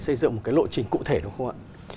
xây dựng một cái lộ trình cụ thể đúng không ạ